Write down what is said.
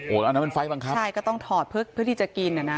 โอ๊ยอันนั้นเป็นไฟล์ตนะครับใช่ก็ต้องถอดเพื่อพื้นที่จะกินอ่ะน่ะ